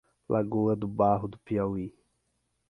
Lagoa do Barro do Piauí